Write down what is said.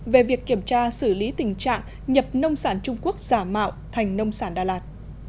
về việc kiểm tra xử lý tình trạng nhập nông sản trung quốc giả mạo thành nông sản đà lạt